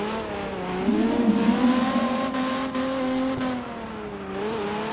皆さんに伝言があって。